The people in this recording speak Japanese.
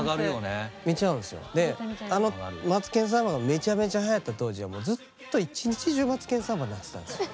であの「マツケンサンバ」がめちゃめちゃはやった当時はもうずっと一日中「マツケンサンバ」鳴ってたんですよ。